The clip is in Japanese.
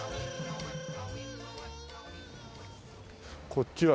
こっちは。